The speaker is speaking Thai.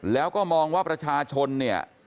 แล้วก็มองว่าประชาชนเนี่ย